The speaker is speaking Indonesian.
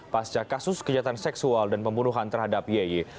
pasca kasus kejahatan seksual dan pembunuhan terhadap yeye